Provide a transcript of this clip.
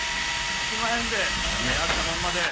あきまへんで目ぇ開けたまんまで。